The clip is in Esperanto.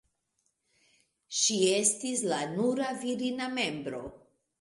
Ŝi estis la nura virina membro.